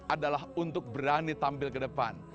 adalah untuk berani tampil ke depan